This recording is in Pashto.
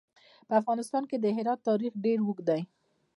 په افغانستان کې د هرات تاریخ ډېر اوږد دی.